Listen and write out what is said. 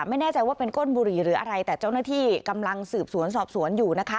ไม่แน่ใจว่าเป็นก้นบุหรี่หรืออะไรแต่เจ้าหน้าที่กำลังสืบสวนสอบสวนอยู่นะคะ